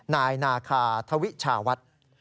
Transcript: นายนาคาธวิชาวัฒน์